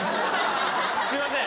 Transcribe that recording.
すいません！